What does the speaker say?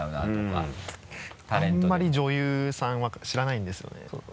あんまり女優さんは知らないんですよね。